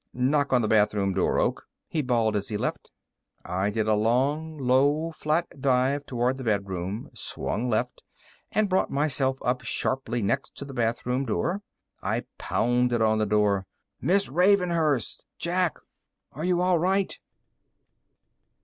"Knock on the bathroom door, Oak!" he bawled as he left. I did a long, low, flat dive toward the bedroom, swung left, and brought myself up sharply next to the bathroom door. I pounded on the door. "Miss Ravenhurst! Jack! Are you all right?"